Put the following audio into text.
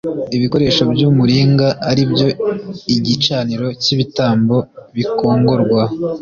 ibikoresho by'umuringa ari byo igicaniro cy'ibitambo bikongorwa